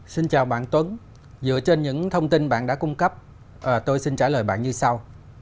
xin chào bạn tuấn dựa trên những thông tin bạn đã cung cấp tôi xin trả lời bạn như sau